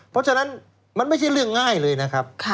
เพราะฉะนั้นมันไม่ใช่เรื่องง่ายเลยนะครับ